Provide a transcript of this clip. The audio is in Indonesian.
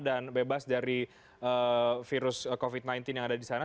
dan bebas dari virus covid sembilan belas yang ada di sana